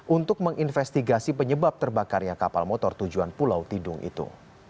untuk menginvestigasi penyebab terbakarnya kapal motor tujuan pulau tidung itu